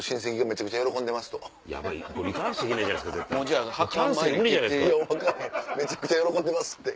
「めちゃくちゃ喜んでます」って。